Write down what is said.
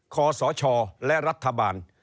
ขอสชและรัฐบาล